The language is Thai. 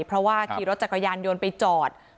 เพราะว่าขี่รถจักรยานยนต์ไปจอด